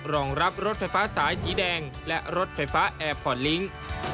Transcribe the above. รองรับรถไฟฟ้าสายสีแดงและรถไฟฟ้าแอร์พอร์ตลิงค์